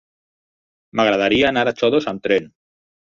M'agradaria anar a Xodos amb tren.